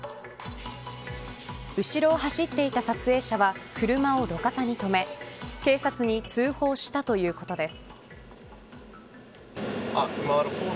後ろを走っていた撮影者は車を路肩に止め警察に通報したということです。